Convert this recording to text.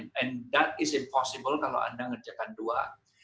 dan itu tidak mungkin kalau anda ngerjakan dua